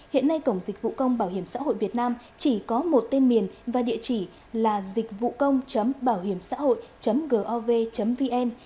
hiện nay cổng dịch vụ công bảo hiểm xã hội việt nam chỉ có một tên miền và địa chỉ là dịchvucông bảohiểmxãhội gov vn